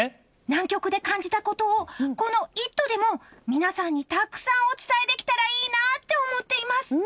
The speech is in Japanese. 南極で感じたことをこの「イット！」でも皆さんにたくさんお伝えできたらいいなって思っています。